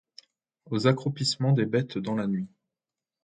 Aux accroupissements des bêtes dans la nuit !